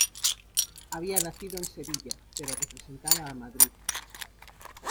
Había nacido en Sevilla, pero representaba a Madrid.